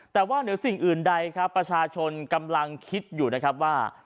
แต่ว่าเหนือสิ่งอื่นใดครับประชาชนกำลังคิดอยู่นะครับว่า